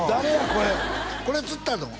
これこれ釣ったの？